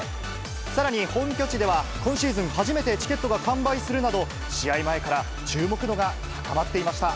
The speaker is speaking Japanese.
さらに本拠地では、今シーズン初めてチケットが完売するなど、試合前から注目度が高まっていました。